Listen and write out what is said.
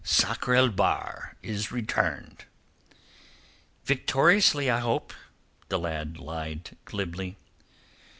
"Sakr el Bahr is returned." "Victoriously, I hope," the lad lied glibly.